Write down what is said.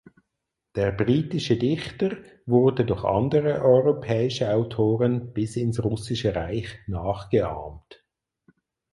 Der britische Dichter wurde durch andere europäische Autoren bis ins Russische Reich nachgeahmt.